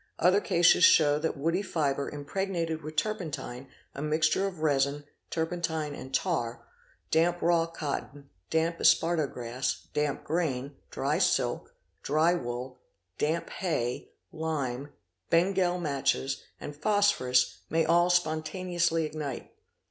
Other cases show that woody fibre impregnated with turpentine, a mixture of resin, turpentine and tar, damp raw cotton, damp esparto grass, damp grain, dry silk, dry wool, damp hay, lime, Bengal matches, and phosphorus, may all spontaneously ignite.